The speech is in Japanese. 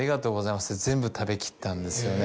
全部食べきったんですよね。